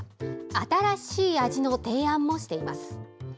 新しい味の提案もしています。